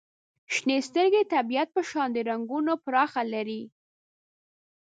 • شنې سترګې د طبیعت په شان د رنګونو پراخه لړۍ لري.